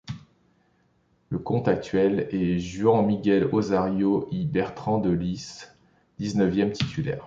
Le comte actuel est Juan Miguel Osorio y Bertrán de Lis, dix-neuvième titulaire.